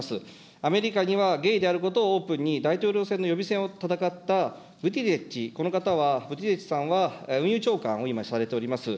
アメリカにはゲイであることをオープンに大統領選の予備選を戦った、この方は、ブティジェッジさんは、運輸長官を今されております。